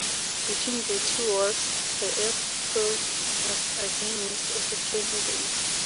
Between the two wars the airfield was again used as a training base.